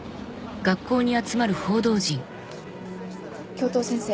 教頭先生